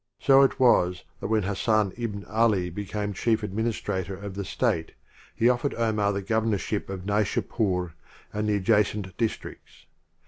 So it was that when Hasan ibn Ali became chief administrator of the state, he offered Omar the governorship of Naishdpdr and the adjacent districts.